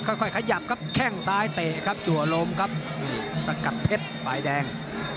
ค่อยขยับครับแข้งซ้ายเตะครับจัวลมครับนี่สกัดเพชรฝ่ายแดง